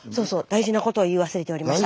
大事なことを言い忘れておりました。